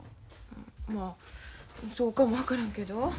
まあそうかも分からんけど。